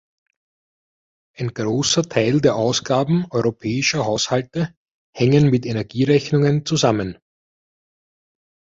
Ein großer Teil der Ausgaben europäischer Haushalte hängen mit Energierechnungen zusammen.